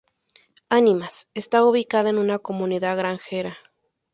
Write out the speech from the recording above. Ánimas está ubicada en una comunidad granjera.